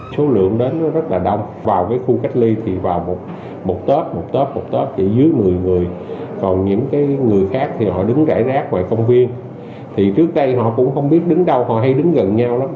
số lượng đến rất là đông vào khu cách ly thì vào một tết một tết một tết chỉ dưới một mươi người còn những người khác thì họ đứng rải rác ngoài công viên thì trước đây họ cũng không biết đứng đâu họ hay đứng gần nhau lắm